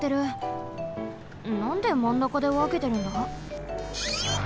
なんでまんなかでわけてるんだ？